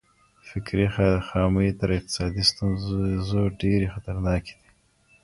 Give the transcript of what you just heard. فکري خامۍ تر اقتصادي ستونزو ډېرې خطرناکې دي.